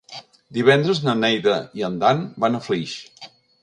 Divendres na Neida i en Dan van a Flix.